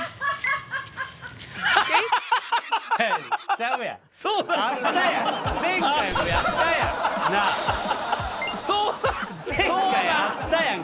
ちゃうやん。